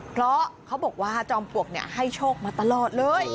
เพราะเขาบอกว่าจอมปลวกให้โชคมาตลอดเลย